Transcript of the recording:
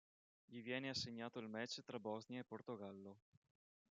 Gli viene assegnato il match tra Bosnia e Portogallo.